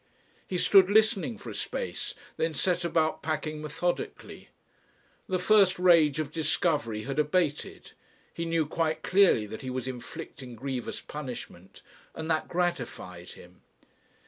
He stood listening for a space, then set about packing methodically. The first rage of discovery had abated; he knew quite clearly that he was inflicting grievous punishment, and that gratified him.